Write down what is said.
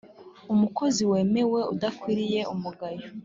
umukozi wemewe udakwiriye umugayo